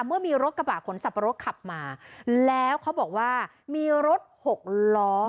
เมื่อมีรถกระบะขนสับปะรดขับมาแล้วเขาบอกว่ามีรถหกล้อ